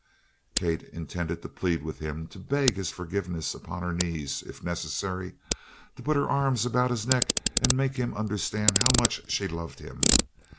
Kate intended to plead with him; to beg his forgiveness upon her knees, if necessary; to put her arms about his neck and make him understand how much she loved him.